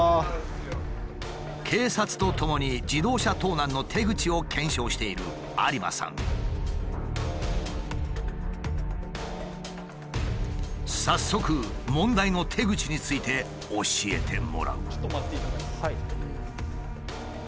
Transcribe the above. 警察とともに自動車盗難の手口を検証している早速問題の手口について教えてもらう。